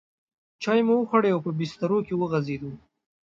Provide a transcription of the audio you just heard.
چای مو وخوړې او په بسترو کې وغځېدو.